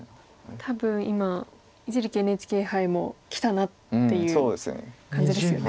多分今一力ＮＨＫ杯もきたなっていう感じですよね。